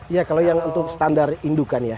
ya kalau yang untuk standar indukan ya